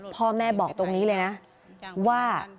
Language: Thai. พ่อแม่บอกตรงนี้เลยนะว่า